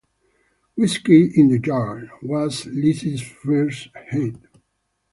"Whiskey in the Jar" was Lizzy's first hit.